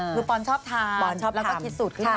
คือปอนชอบทำแล้วก็คิดสูตรที่สามี